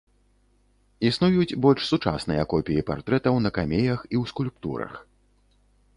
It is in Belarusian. Існуюць больш сучасныя копіі партрэтаў на камеях і ў скульптурах.